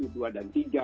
dua dan tiga